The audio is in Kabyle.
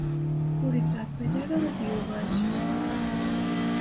Ur ittɛeṭṭil ara ad d-yuɣal.